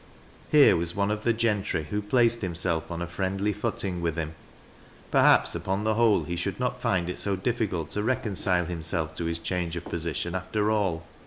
Here was one of the gentry who placed himself on a friendly footing with him. Perhaps upon the whole he should not find it so diflicult to recon cile himself to his change of position after all.